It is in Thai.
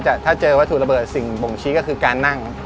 ถ้าเจอวัตถุระเบิดสิ่งบ่งชี้ก็คือการนั่ง